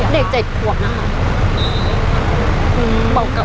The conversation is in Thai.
เด็ก๗ควบนะ